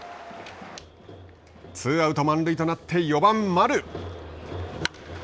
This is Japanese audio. ツーアウト、満塁となって４番丸。